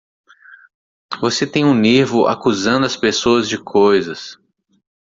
Você tem um nervo acusando as pessoas de coisas!